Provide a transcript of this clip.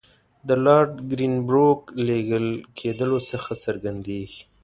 د لارډ کرېنبروک لېږل کېدلو څخه څرګندېږي.